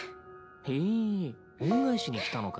へ恩返しに来たのか。